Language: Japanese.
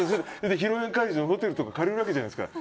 披露宴会場、ホテルとか借りるわけじゃないですか。